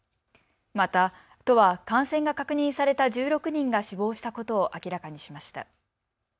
また都は感染が確認された１６人が死亡したことを明らかにしました。